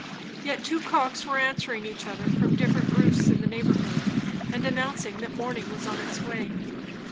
Yet two cocks were answering each other from different roosts in the neighbourhood, and announcing that morning was on its way.